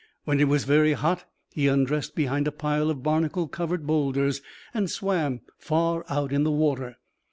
When it was very hot he undressed behind a pile of barnacle covered boulders and swam far out in the water.